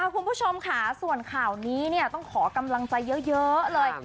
คุณผู้ชมค่ะส่วนข่าวนี้ต้องขอกำลังใจเยอะเลย